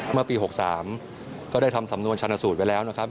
เมื่อปี๖๓ก็ได้ทำสำนวนชันสูตรไปแล้วนะครับ